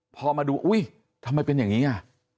พอมาดูอุ้ยทำไมเป็นอย่างนี้อ่ะ